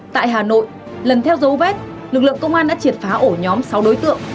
tại hà nội lần theo dấu vết lực lượng công an đã triệt phá ổ nhóm sáu đối tượng